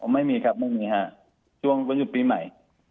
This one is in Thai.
ไม่มีครับไม่มีฮะช่วงวันหยุดปีใหม่